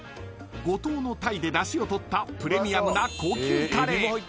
［五島の鯛で出汁をとったプレミアムな高級カレー］